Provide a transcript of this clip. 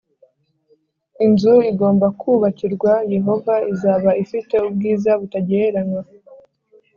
inzu igomba kubakirwa Yehova izaba ifite ubwiza butagereranywa